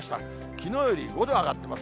きのうより５度上がってます。